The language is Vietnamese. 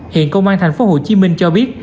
hiện công an tp hcm cho biết